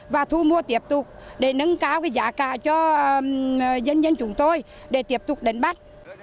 và thu mua tiếp tục để nâng cao giá cả cho dân dân chúng tôi để tiếp tục đánh bắt